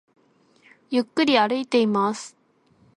ゆっくり歩いています